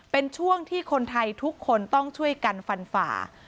เป็นช่วงที่คนไทยทุกคนต้องช่วยกันฟันฝ่า